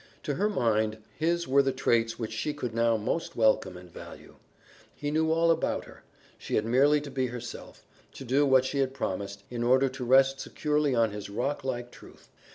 To her mind, his were the traits which she could now most welcome and value. He knew all about her, she had merely to be herself, to do what she had promised, in order to rest securely on his rock like truth.